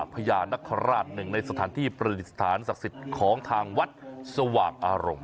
พญานคราชหนึ่งในสถานที่ประดิษฐานศักดิ์สิทธิ์ของทางวัดสว่างอารมณ์